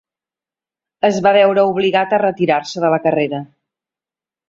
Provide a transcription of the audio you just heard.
Es va veure obligat a retirar-se de la carrera.